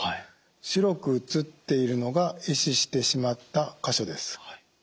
白く映っているのがえ死してしまった箇所です。